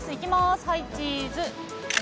はいチーズ。